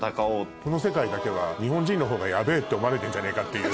この世界だけは日本人の方がヤベェって思われてんじゃねえかっていう。